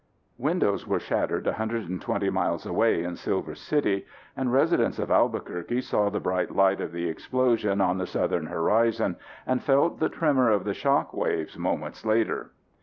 Windows were shattered 120 miles away in Silver City, and residents of Albuquerque saw the bright light of the explosion on the southern horizon and felt the tremor of the shock waves moments later.